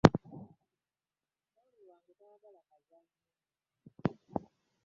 Omwami wange tayagala kazannyo.